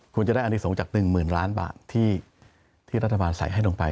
ควรจะได้อันนี้ส่งจาก๑๐๐๐๐๐๐บาทที่รัฐบาลใส่ให้ลงไป